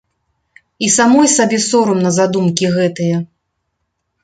І самой сабе сорамна за думкі гэтыя!